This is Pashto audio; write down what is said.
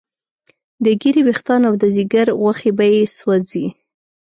د ږیرې ویښتان او د ځیګر غوښې به یې سوځي.